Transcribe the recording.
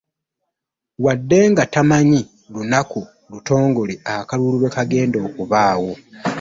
Wadde nga tamanyi lunaku lutongole akalulu lwe kagenda kubaawo